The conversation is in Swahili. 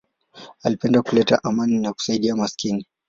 Alipenda kuleta amani na kusaidia maskini.